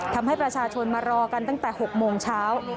ทำให้ประชาชนมารอกันตั้งแต่๖โมงเช้า